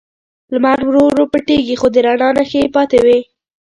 لمر ورو ورو پټیږي، خو د رڼا نښې یې پاتې وي.